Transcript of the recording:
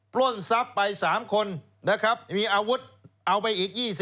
ปล้นทรัพย์ไป๓คนนะครับมีอาวุธเอาไปอีก๒๐